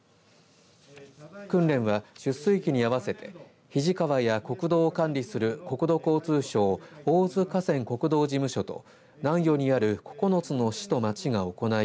訓練は出水期に合わせて肱川や国道管理する国土交通省大洲河川国道事務所と南予にある９つの市と町が行い